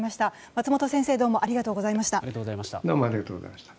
松本先生どうもありがとうございました。